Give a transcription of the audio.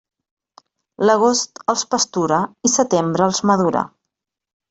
L'agost els pastura i setembre els madura.